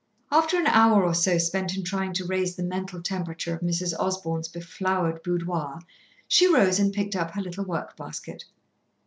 After an hour or so spent in trying to raise the mental temperature of Mrs. Osborn's beflowered boudoir, she rose and picked up her little work basket.